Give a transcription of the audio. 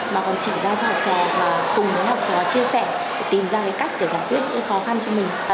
mà còn chỉ ra cho học trò và cùng với học trò chia sẻ tìm ra cái cách để giải quyết những khó khăn cho mình